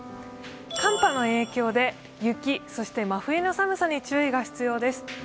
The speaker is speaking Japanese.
寒波の影響で雪、そして真冬の寒さに注意が必要です。